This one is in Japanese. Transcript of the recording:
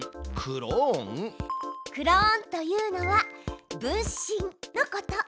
クローンというのは分身のこと。